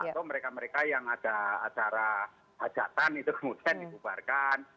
atau mereka mereka yang ada acara hajatan itu kemudian dibubarkan